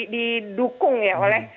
didukung ya oleh